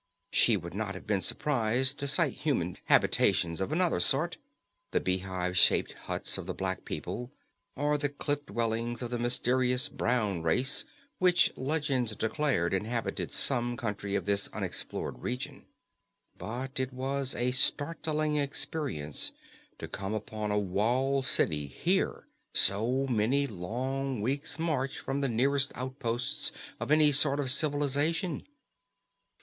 She would not have been surprised to sight human habitations of another sort the beehive shaped huts of the black people, or the cliff dwellings of the mysterious brown race which legends declared inhabited some country of this unexplored region. But it was a startling experience to come upon a walled city here so many long weeks' march from the nearest outposts of any sort of civilization.